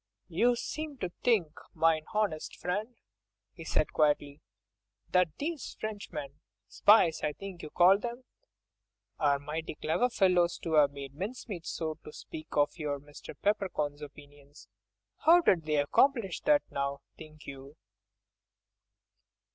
"You seem to think, mine honest friend," he said quietly, "that these Frenchmen—spies I think you called them—are mighty clever fellows to have made mincemeat so to speak of your friend Mr. Peppercorn's opinions. How did they accomplish that now, think you?"